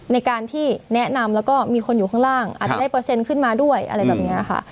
ในการที่แนะนำแล้วก็มีคนอยู่ข้างล่างอาจจะได้เปอร์เซ็นต์ขึ้นมาด้วยอะไรแบบนี้ค่ะ